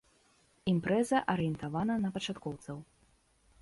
Імпрэза арыентавана на пачаткоўцаў.